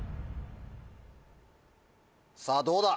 さぁどうだ？